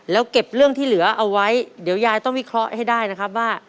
แล้วเก็บเรื่องที่เหลือเอาไว้เดี๋ยวยายต้องวิเคราะห์ให้ได้นะครับว่า